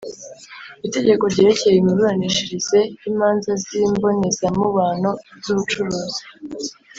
Itegeko ryerekeye imiburanishirize y’ imanza z’ imbonezamubano iz’ ubucuruzi